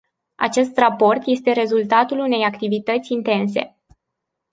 Acest raport este rezultatul unei activități intense.